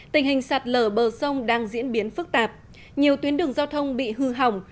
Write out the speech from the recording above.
tình hình sạt lở bờ sông đang diễn biến phức tạp nhiều tuyến đường giao thông bị hư hỏng